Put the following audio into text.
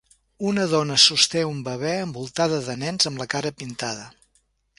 Una dona sosté un bebè envoltada de nens amb la cara pintada.